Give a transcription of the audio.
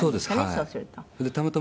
そうすると。